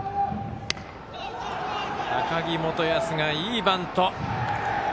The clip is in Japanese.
高木心寧が、いいバント！